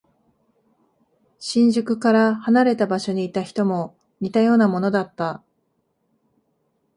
新宿から離れた場所にいた人も似たようなものだった。